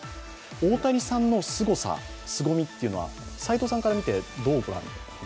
大谷さんのすごさ、すごみっていうのは斎藤さんから見てどうご覧になりますか。